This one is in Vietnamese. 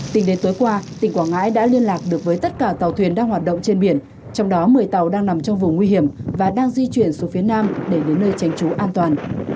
tỉnh quảng ngãi đã liên lạc được với tất cả tàu thuyền đang hoạt động trên biển trong đó một mươi tàu đang nằm trong vùng nguy hiểm và đang di chuyển xuống phía nam để đến nơi tranh trú an toàn